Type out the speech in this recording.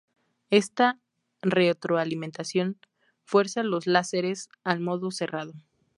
Esta retroalimentación fuerza los láseres al "modo cerrado".